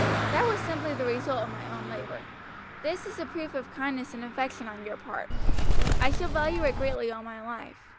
That was simply the result of my own labor; this is a proof of kindness and affection on your parts. I shall value it very greatly all my life.